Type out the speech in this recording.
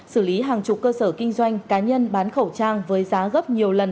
xử lý hàng chục cơ sở kinh doanh cá nhân bán khẩu trang với giá gấp nhiều lần